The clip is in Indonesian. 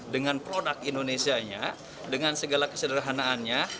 dengan produk indonesia nya dengan segala kesederhanaannya